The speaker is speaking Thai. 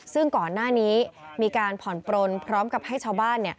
ซึ่งก่อนหน้านี้มีการผ่อนปลนพร้อมกับให้ชาวบ้าน